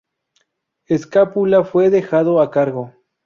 Escápula fue dejado a cargo.